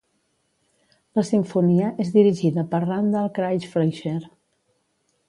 La Simfonia és dirigida per Randall Craig Fleischer.